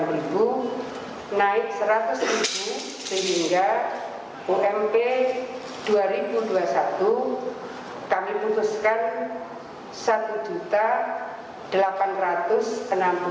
rp tujuh enam puluh delapan naik rp seratus sehingga ump dua ribu dua puluh satu kami putuskan rp satu delapan ratus enam puluh delapan tujuh ratus tujuh puluh tujuh